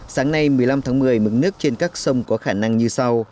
sáng nay một mươi năm tháng một mươi mực nước trên các sông có khả năng như sau